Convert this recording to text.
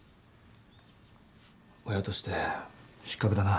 親として失格だな。